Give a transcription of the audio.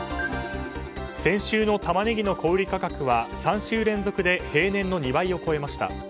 先週のタマネギの小売価格は３週連続で平年の２倍を超えました。